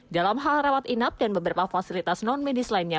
dalam hal rawat inap dan beberapa fasilitas non medis lainnya